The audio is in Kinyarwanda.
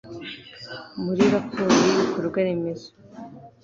muri raporo yibikorwa remezo